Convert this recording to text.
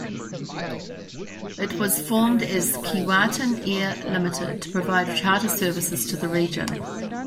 It was formed as "Keewatin Air Limited" to provide charter services to the region.